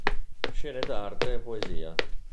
Scene d'arte e poesia.